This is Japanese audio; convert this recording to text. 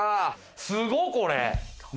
すごっこれ！